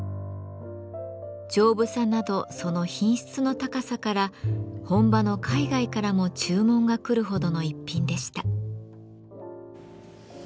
丈夫さなどその品質の高さから本場の海外からも注文が来るほどの逸品でした。